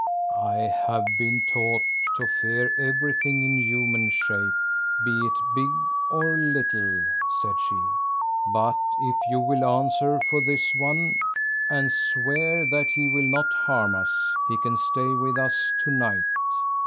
"I have been taught to fear everything in human shape be it big or little," said she. "But if you will answer for this one, and swear that he will not harm us, he can stay with us to night.